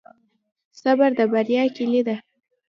صبر د بریا کیلي ده